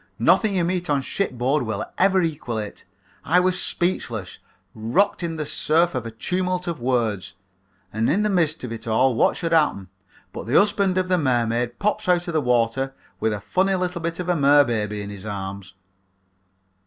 Nothing you meet on shipboard will ever equal it. I was speechless, rocked in the surf of a tumult of words. And in the midst of it all what should happen but the husband of the mermaid pops out of the water with a funny little bit of a merbaby in his arms.